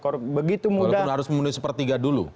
kalau itu harus memulai sepertiga dulu